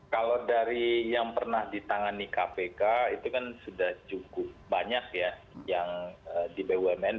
kalau dari yang pernah ditangani kpk itu kan sudah cukup banyak ya yang di bumn